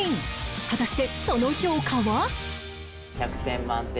果たしてその評価は？